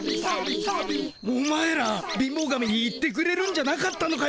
お前ら貧乏神に言ってくれるんじゃなかったのかよ。